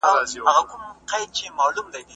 ټولنیز مهارتونه مو د بریا په لاره کي مرسته کوي.